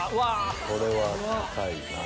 これは高いな。